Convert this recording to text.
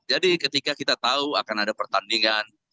jadi ketika kita tahu akan ada pertandingan